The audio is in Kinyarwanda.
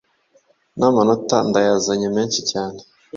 N’amanota ndayazanye menshi cyane.